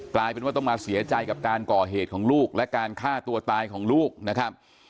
กลายเป็นว่าต้องมาเสียใจกับการก่อเหตุของลูกและการฆ่าตัวตายของลูกนะครับ